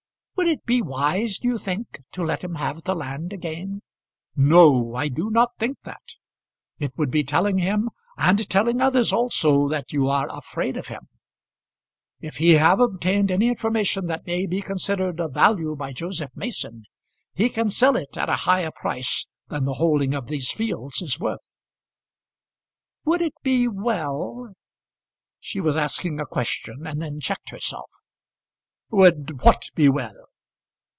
Would it be wise, do you think, to let him have the land again?" "No, I do not think that. It would be telling him, and telling others also, that you are afraid of him. If he has obtained any information that may be considered of value by Joseph Mason, he can sell it at a higher price than the holding of these fields is worth." "Would it be well ?" She was asking a question and then checked herself. "Would what be well?"